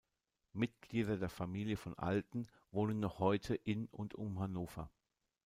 Mitglieder der Familie von Alten wohnen noch heute in und um Hannover.